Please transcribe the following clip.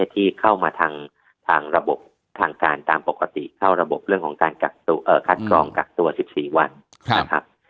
ที่เข้ามาทางระบบทางการตามปกติเข้าระบบเรื่องของการคัดกรองกักตัว๑๔วันนะครับ